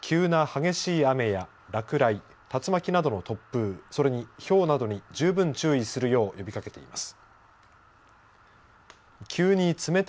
気象庁は急な激しい雨や落雷竜巻などの突風それにひょうなどに十分注意するよう呼びかけています。